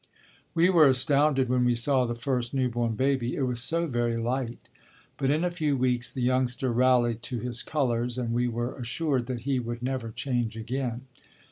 We were astounded when we saw the first new born baby. It was so very light. But in a few weeks the youngster rallied to his colors and we were assured that he would never change again.